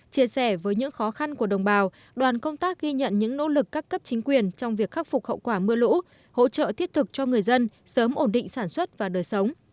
chia sẻ với những khó khăn của đồng bào đoàn công tác ghi nhận những nỗ lực các cấp chính quyền trong việc khắc phục hậu quả mưa lũ hỗ trợ thiết thực cho người dân sớm ổn định sản xuất và đời sống